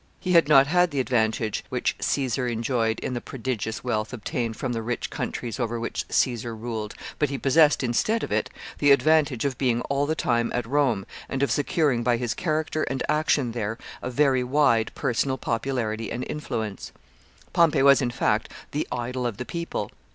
He had not the advantage which Caesar enjoyed in the prodigious wealth obtained from the rich countries over which Caesar ruled, but he possessed, instead of it, the advantage of being all the time at Rome, and of securing, by his character and action there, a very wide personal popularity and influence. Pompey was, in fact, the idol of the people.